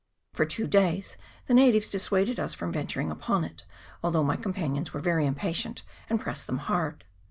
For two days the natives dissuaded us from venturing upon it, although my companions were very impatient, and pressed them hard.